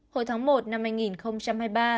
hồi tháng một năm hai nghìn hai mươi ba